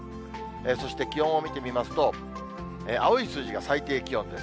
そして気温を見てみますと、青い数字が最低気温です。